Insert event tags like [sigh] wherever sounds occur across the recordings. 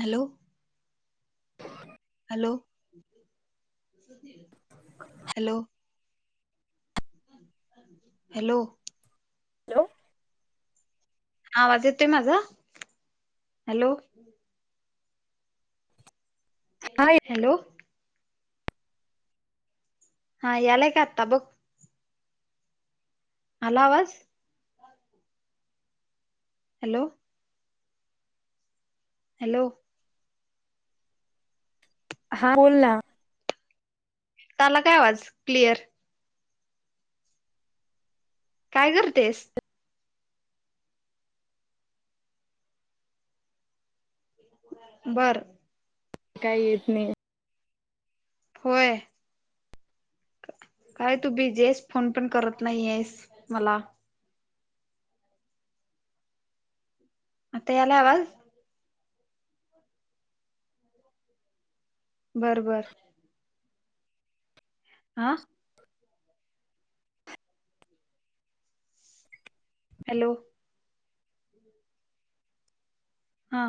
Hello? Hello? Hello? Hello? Hello? हा आवाज येतोय माझा? हॅलो? हा हॅलो? हा यायला का आता बघ? अला आवाज? हॅलो? हॅलो? हा बोल ना झाला काय आवाज क्लिअर? काय करतेस? बर. काही येत नाही. होय काय, तु बी जस्ट फोन पण करत नाही येस मला आता यायला आवाज? बरबर. आह [inaudible] हॅलो? हा.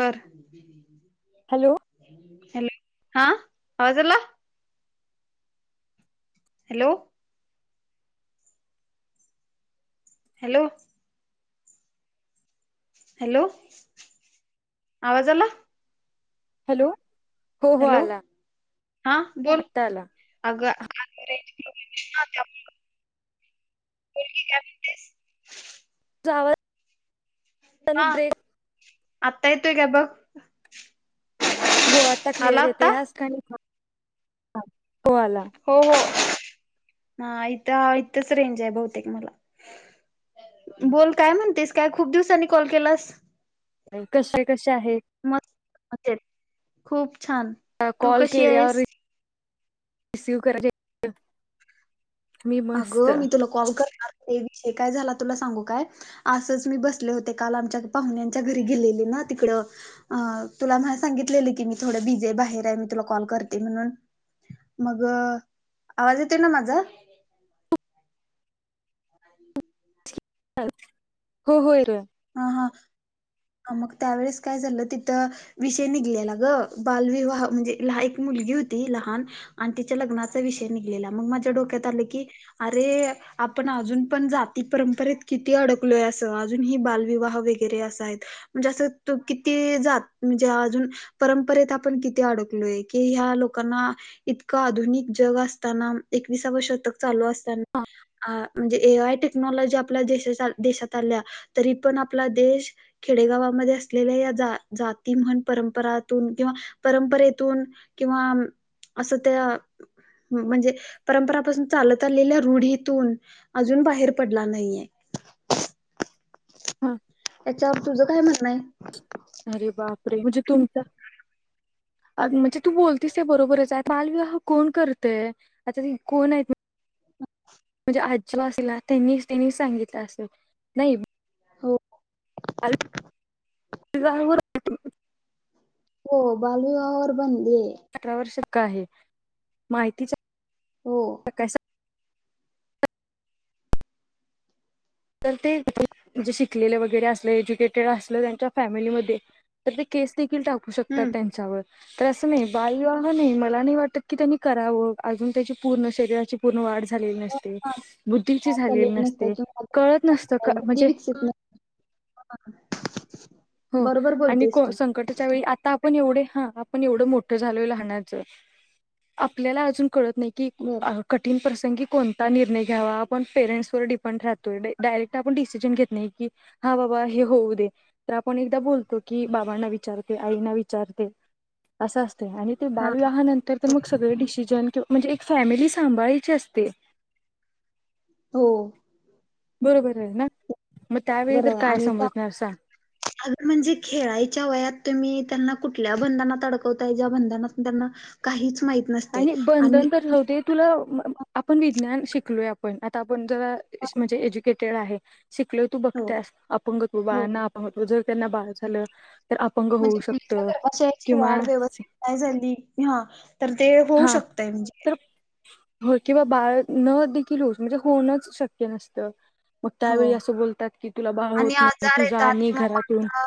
बर. Hello hello. हा आवा [unintelligible] जला हॅलो? हॅलो? हॅलो आवाजला... हॅलो. हो हो हॅलो आला हा बोल आत्ता आला अग. काय म्हणतेस [unintelligible] जावर... आणिनी ब्रेक. आता येतो ग बघ. हो आता आला क्लिअर येत आत्ता ह्याच खाणी... हा. हो हो. ह इथ इथच रेंज आहे बहुतेक मला बोल काय म्हणतेस काय खूप दिवसांनी कॉल केलास. कसे कसे. अश आहे. अ खूप... छान तू कशी आहेस. रिसीव्ह करा. अगं मी तुला कोव कर... ते विषय काय झाला तुला सांगू काय असंच मी बसले होते काल आमच्या पाहुण्यांच्या घरी गेलेले ना तिकड अ तुला म सांगितलेले की मी थोडं बिजी आहे बाहेर आहे मी तुला कॉल करते म्हणून मग आवाज येतो ना माझा... हो होय र. हा हा मग त्यावेळेस काय झालं तिथं विषय निघलेला ग बालविवाह म्हणजे एक मुलगी होती लहान आणि तिच्या लग्नाचा विषय निघलेला मग माझ्या डोक्यात आलं की अरे आपण अजून पण जाती परंपरेत किती अडकलोय असं अजून ही बाल. विवाह वरे असा म्हणजे अस किती ज म्हणजे अजून परंपरेत आपण किती अडकलोय की ह्या लोकांना इतक आधुनिक जग असताना एकविसावा शतकचालू अस... म्हणजे एय टेक्नॉलॉजी आपल्या देशात आल्या तरी... पण आपला देश खेडेगावामध्ये असलेल्या या जाती म्हण परंपरातून किंवा परंपरेतून किंवा अस त्या म्हणजे परंपरापासून चालत आलेल्या रूढीतून अजून बाहेर पडला नाहीे. हम.. त्याच्यावर तुझं काय म्हणण आहे. अ म्हणजे तू बोलतीस त्या बरोबरच आहे मालविवाह कोण करतय आता कोण आहेत. आजी असला त्यांनी त्यांनी सांगितलं असेल नाही. हो तीचं आहे [inaudible] हो बाल विवाहावावर आहे बंदी आहे अठरा वर्ष का हे माहितीच्या हो काय तर तेे शिकलेलं वगैरे असलं एज्युकेटेड असलं त्यांच्या फॅमिलीमध्ये तर ते केस देखील टाकू शकतात हम्म त्यांच्यावर तर असं नाही बालविवाह नाही मला नाही वाटतं की त्यांनी करावं अजून त्याची पूर्ण शरीराची पूर्ण वाढ झाली झालेली नसते बुद्धीची झालेली चालेलं नसतं नसते किंवा कळतं नसतं अजून बुद्धी म्हणजे विकसित नसते. हो बरोबर आणि बोलतेस तू संकटच्या वेळी आता पण एवढे हा आपण एवढं मोठं झालो लहानाचं आपल्याला अजून कळतं नाही कि बर कठीण प्रसं कठीण प्रसंगी कोणता निर्णय घ्यावा आपण पेरेंट्स वर डिपेंड राहतो डायरेक्ट आपण डिसिजन घेत नाही की हा बाबा हे होऊ दे तर आपण एकदा बोलतो की बाबांना विचारते आईना विचारते असं असत आणि ते हा बालविवाह नंतर तर मग सगळे डिशिज जण म्हणजे एक फॅमिली सांभाळायची असते हो बरोबर आहे ना मग त्यावेळी बरोबर तर आहे काय आणि त्यात समजणार सांग अगं म्हणजे खेळायच्या वयात तुम्ही त्यांना कुठल्या बंधनात अडकवत्याय ज्या बंधनातील त्यांना काहीच माहि आणि बंधन तर राहुदे तुला आपण विज्ञान शिकलोय आपण आता पण जर असे म्हणजे एजुकेट तेच आहे शिकलोय तू हो बघतियासं आपणंगत हो बाळानां आपणंग जर त्यांना बाळ झालं तर अपंग होऊ म्हणजे शकत मुलीच्या गर्भाशयाची किंवा वाढ व्यवस्थित नाही झाली तर हा ते होऊ हा शकतय म्हणजे तर हो किंवा बाळ न देखील होऊ म्हणजे होणंच शक्य नसतं मग हो त्यावेळी असं बोलतात की तुला बाळ होत आणि नाही आजार तू जा येतात आणि किंवा घरातून माता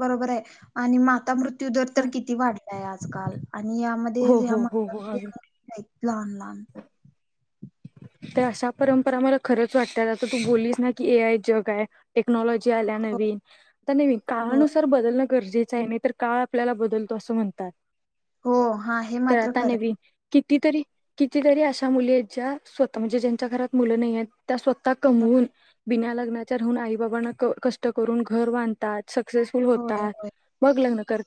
बरोबर आहे आणि माता मृत्यू तयू दर तर किती वाढ ते आजकाल आणि यामध्ये हो हो हो हो अगदी [inaudible] लहान लहान तर अशा परंपरा मला खरंच वाटत आता तू बोललीस ना की ए आय जग आहे टेक्नॉलॉजी ते आल्या हो नवीन ते हो काळानुसार बदल गरजेच आहे मी तर काळ आपल्याला बदलतो असं म्हणतात हो हा हे तर मात्र आता खरं आहे नवीन कितीतरी कितीतरी अशा मुली आहेत ज्या स्वतः म्हणजे ज्यांच्या घरात मुलं नाही आहेत त्या स्वत आहे कमवून बिण्या लग्ना ना राहून आई बाबांना कष्ट करून घर बांधतात सक्सेसफुल होतात मग लग्न कर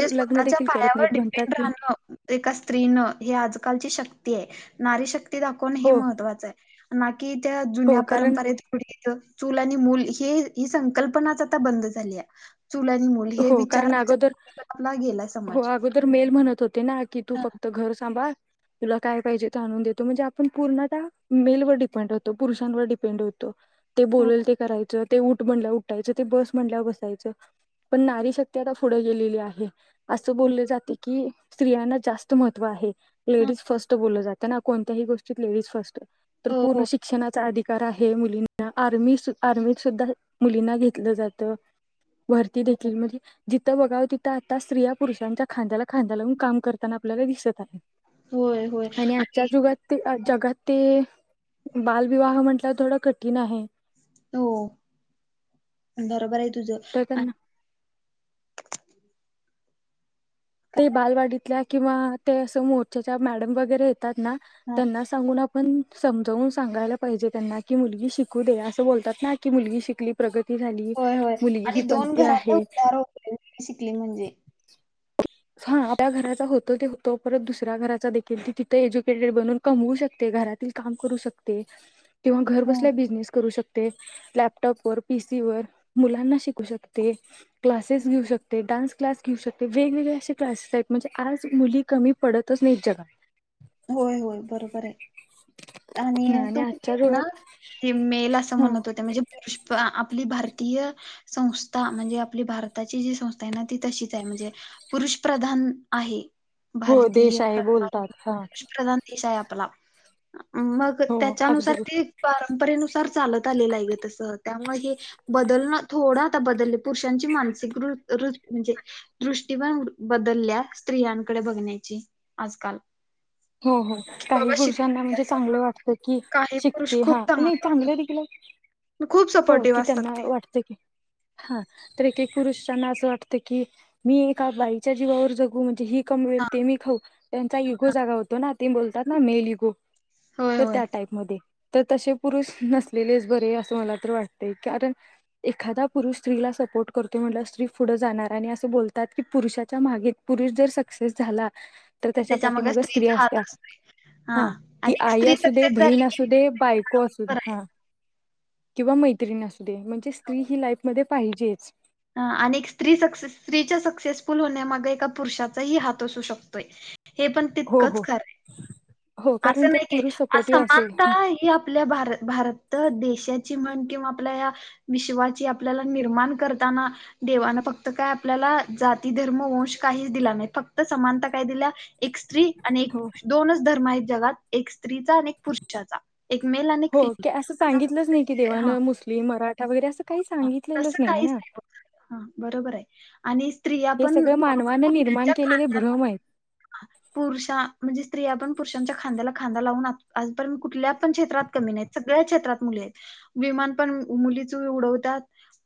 ते स्वतःच्या पायावर म्हणतात डिपेंड की राहणं एका स्त्रीनं हे आजकालची शक्ती आहे नारीशक्त दाखवण हे हो महत्वाचं आहे ना की त्या जुन्या हो कारण परंपरेत फुडे चूल आणि मूल हे ही संकल्पनाच आता बंद झाली आहे चुल आणि मुल हे हो कारण विचाराच अगोदर हो अगोदर मेल म्हणत होते ना तू हा, फक् घर बाळ तुला काय पाहिजे त आणून देतो म्हणजे आपण पूर्ण त्या मेलवर डिपेंड होतो पुरुषांवर डिपेंड होतो ते हो बोलेल ते करायचं ते उठ ऊठ म्हणल्याव उठायचं ते बस म्हणल्यावर बसायचं पण नारी शक्ती आता पुढे गेलेली आहे असं हो बोलले जाते की स्त्रियांना जास्त महत्त्व आहे हा, लेडीज फर्स्ट बोललं जातं ना कोणत्याही गोष्टीत लेडीज फर्स्ट तर हो पूर्ण हो शिक्षणाचा अधिकार आहे मुलीं आर्मी आर्मीत सुद्धा मुलींना घेतलं जात हो देखील म्हणजे ज बघा तिथं आता स्त्रिया पुरुषांच्या खांद्याला खांदा लावून काम करताना आपल्याला दिसत आहे होय होय आणि आजच्या जुगात जगात ते बालविवाह म्हटल्या थोडा कठीण आहे हो बरोबर आहे तर तुझं त्यांना ते काय- बालवाडीतल्या किंवा ते असं मोर्चाच्या मॅडम वगैरे येत त्यांना हा, त्यांना सांगून पण समजावून सांगायला पाहिजे त्यांना की मुलगी शिकू दे असं बोलतात ना की मुलगी शिकली प्रगती झाली होय होय मुलगी ही आणि दोन पंथी घरचा आहे उधार होतोय शिकली म्हणजे हा आपल्या घराचा होतो ते होतो परत दुसऱ्या घराचा देखील त तिथं एज्युकेटेड बनून कमवू शकते घरातील काम करू शकते किंवा घर हा, कसल्या बिझनेस करू शकतो लॅपटॉप वर पीसी वर मुलांना शिकू शकते क्लासेस घेऊ शकते डान्स क्लास घेऊ शकते वेगवेगळे अशे क्लासेस आहेत म्हणजे आज मुली कमी पडतच नाहीत जगात होय होय बरोबर आहे आणि तुम आजच्या ना जगात ते मेल अस हा म्हणत होते म्हणजे पुरुष आपली भारतीय संस्था म्हणजे आपली भारताची जी संस्था आहे ना ती तशीच आहे म्हणजे पुरुष प्रधान आहे हो देश आहे बोलतात हा देशा आहे आपला मग हो अगदी त्याच्यानुसार बर ते परंपरेनुसार चालत आलेलं आहे ग तसं त्यामुळे हे बदलणं थोडं आता बदलले पुरुषांची मानसिक म्हणजे दृष्टी पण बदलल्या स्त्रियांकडे बघण्याची आजकाल हो हो कि काही बाबा शिकू पुरुषांना दे म्हणजे असं चांगलं वाटत की काही पुरुष शिकते खूप हा नाही चांगले वागतात चांगलं देखील खूप हो सपोर्टिव्ह कि असतात त्यांना ते. वाटत की हा तर एक एक पुरुषांना असं वाटतं की मी एका बाईच्या जीवावर जगू म्हणजे ही कमवेल हा ते मी खाऊ त्यांचा इगो जागा होतो ना ते बोलतात ना मेल ईगो होय तर होय. त्या टाईपमध्ये तर तसे पुरुष नसलेलेच बरे असं मला तर वाटतय कारण एखादा पुरुष स्त्रीला सपोर्ट करतो म्हणल्यावर स्त्री पुढं जाणार आणि अस बोलतात की पुरुषाच्या मागे पुरुष जर सक्सेस झाला तर त्याच्या मग त्याच्यापाटिमाग स्त्री स्त्रीचा हात असत्या असतो हा ती आणि एक आई स्त्री असू दे सक्सेस बहीण झाली असू की दे बायको असू दे हा किंवा मैत्रीण असू दे म्हणजे स्त्री ही लाईफ मध्ये पाहिजेच आणि एक स्त्री सक्से स्त्रीच्या सक्सेसफुल होण्यामागे एका पुरुषाचाही हात असू शकतोय हे पण हो तितकंच हो खर आहे हो कारण असं तर नाही के पुरुष सपोर्टिव्ह असेल समानता हं, ही आपल्या भार भारत देश ह्याची म्हण किंवा आपल्या या विश्वाची आपल्याला निर्माण कर देवाना फक्त काय आपल्याला जाती धर्म वंश काहीच दिला नाही फक्त समानता काय दिल्या एक स्त्री आणि एक हो दोनच धर्म आहेत जगात एक स्त्रीचा आणि एक पुरुषाचा एक मेल आणि एक हो की फिमेल असं आता तरी हा त्या वगैेरे असं काही तस सांगितलेलंच नाहीये काहीच ना नाहीत ह बरोबर आहे आणि स्त्रिया हे पण सगळं मानवानं निर्माण केलेले खदार भ्रम आहेत पुरुषा म्हणजे स्त्रिया पण पुरुषांच्या खांद्याला खांदा लावून आजपर्यंत कुठल्या पण क्षेत्रात कमी नाहीत सगळ्या क्षेत्रात मुले आहेत विमान पण मुली च उडवत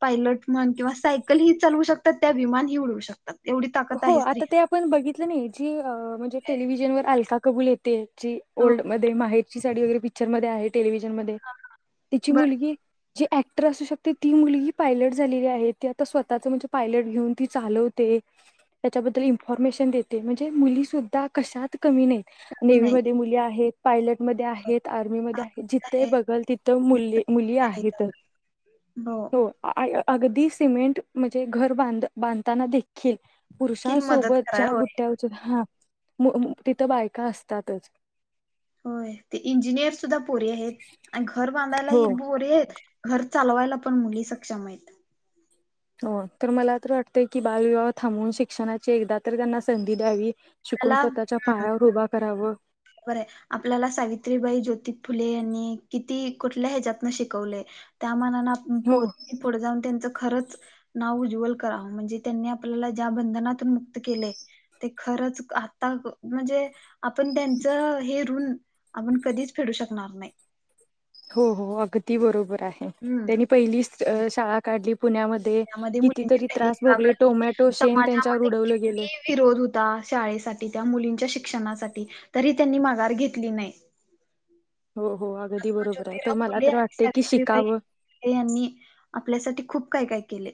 पायलट म्हण किंवा सायकल हि चालवू शकतात त्या विमानही उडवू शकतात एवढी ताकद हो आहे आता स्त्रिया ते आपण बघितलं नाही जी अअअ म्हणजे टेलिव्हिजनवर अलका कबूल यते ची हो ओल्ड मध्ये माहि ची साडी वगैरे पिक्चरमध्ये आहे. टेलिव्हिजन मध्ये तिची बर मुलगी जी ॲक्टर असू शकते ती मुलगी पायलट झालेली आहे ती आता स्वतःच म्हणजे पायलट घेऊन ती चालवते. त्याच्याबद्दल इन्फॉर्मेशन देते म्हणजे मुली सुद्धा कशात कमी नाही नेवी नाही मध्ये मुली आहेत पायलटमध्ये आहेत आर्मीमध्ये आहेत जिथे बघल तिथ मुली मुली आहेत हो अअअ अगदी सिमेंट म्हणजे घर बांध बांधताना दे खे किल मदत पुरुषांसोबत करा ज्या होय बुट्ट्या उचलू हा मु म तिथं बायका असतातच होय ते इंजिनियर सुद्धा पोरी आहेत आणि घर बांधायला हो ही पोरी आहेत. घर चालवायला पण मुली सक्षम आहेत. हो तर मला तर वाटतंय की बालविवाह थांबवून शिक्षणाची एकदा तर त्यांना संधी द्यावी. शिकून आपला स्वतःच्या पायावर उभा करावं बर आहे आपल्याला सावित्रीबाई ज्योति फुले यांनी किती कुठल्या ह्याच्यात न शिकवलंय त्या त्या मानानं आप हो पु पुढ जाऊन त्यांचं खरंच नाव उज्वल करा म्हणजे त्यांनी आपल्या ज्या बंधनात मुक्त केलंय ते खरंच आता म्हणजे आपण त्यांच हे ऋण आपण कधीच फेडू शकणार नाही. हो हो अगदी बरोबर. आहे हम्म त्यांनी पहिलीच अ शाळा काढली पुण्यामध्ये त्यामध्ये मुलींची कितीतरी त्रास भोगले पहिली टोमॅटो शेण त्यांच्यावर समाजामध्ये उडवलं गेलं किती विरोध होता शाळेसाठी त्या मुलीं शिक्षणासाठी तरी त्यांनी माघार घेतली नाही. हो हो अगदी महात्मा बरोबर आहे तर ज्योतिराव मला फुले तर आणि वाटते की सावित्रीबाई शिकावं फुले यांनी आपल्यासाठी खूप काय काय केले.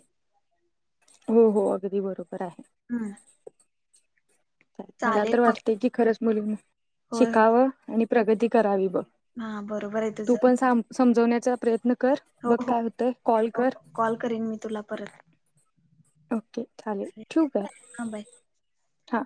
हो हो अगदी बरोबर आहे. हम् मला तर वाटते की खरंच बोल मी होय होय शिकावं आणि प्रगती करावी ब हा बरोबर आहे तू तुझं. पण साम समजवण्यात च प्रयत्न कर हो बघ हो काय होतय कॉल हो कर कॉल करीन मी तुला परत. ओके चालेल ठेवू काय हा बाय. हा